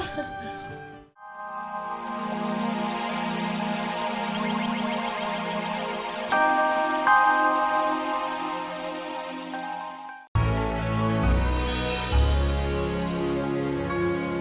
sampai jumpa lagi